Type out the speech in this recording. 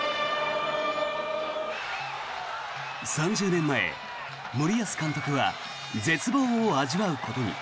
３０年前、森保監督は絶望を味わうことに。